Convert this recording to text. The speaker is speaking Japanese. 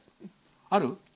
ある？